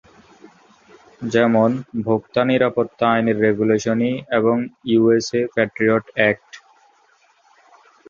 যেমনঃ ভোক্তা নিরাপত্তা আইনের রেগুলেশন ই এবং ইউএসএ প্যাট্রিয়ট এক্ট।